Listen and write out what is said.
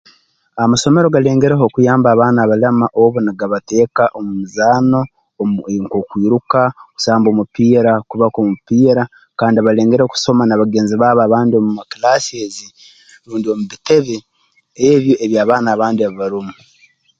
Amasomero galengereho okuyamba abaana abalema obu nigabateeka omu mizaano omu okwiruka kusamba omupiira kubaka omupiira kandi balengereho kusoma na bagenzi baabo abandi omu ma kilaasezi rundi omu bitebe ebi eby'abaana abandi ebi barumu